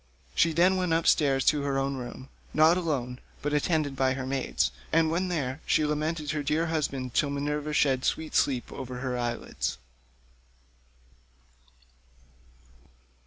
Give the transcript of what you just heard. She then went upstairs to her own room, not alone, but attended by her maidens, and when there, she lamented her dear husband till Minerva shed sweet sleep over her eyelids.